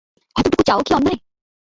এতোটুকু চাওয়াও কি অন্যায়?